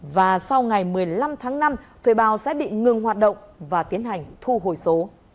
và sau ngày một mươi năm tháng năm thuê bao sẽ bị ngừng hoạt động và tiến hành thu hồi số